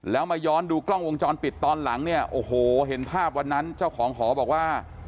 แล้วมาย้อนดูกล้องวงจรปิดตอนหลังเนี่ยโอ้โหเห็นภาพวันนั้นเจ้าของหอบอกว่า